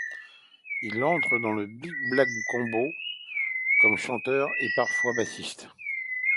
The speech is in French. Il entre dans le Bill Black Combo comme chanteur et parfois bassiste.